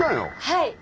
はい。